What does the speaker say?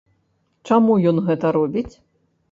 Чаму ён гэта робіць?